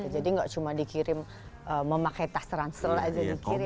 jadi enggak cuma dikirim memakai tas ransel aja dikirim